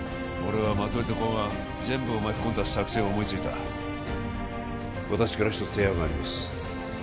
俺はマトリと公安全部を巻き込んだ作戦を思いついた私から一つ提案があります